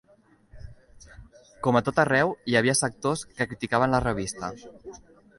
Com a tots arreu, hi havia sectors que criticaven la revista.